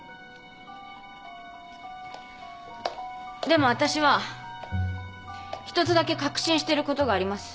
でもわたしは一つだけ確信していることがあります。